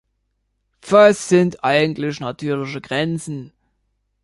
Was sind eigentlich "natürliche Grenzen"?